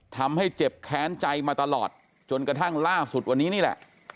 ทำให้เจ็บแค้นใจมาตลอดจนกระทั่งล่าสุดวันนี้นี่แหละ